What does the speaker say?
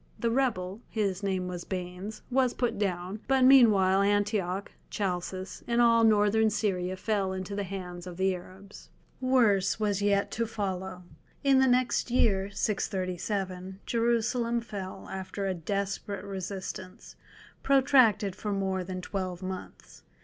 The rebel—his name was Baanes—was put down, but meanwhile Antioch, Chalcis, and all Northern Syria fell into the hands of the Arabs. Worse yet was to follow. In the next year, 637, Jerusalem fell, after a desperate resistance, protracted for more than twelve months.